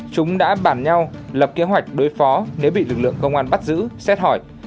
chúng đã bàn nhau lập kế hoạch đối phó nếu bị lực lượng công an bắt giữ xét hỏi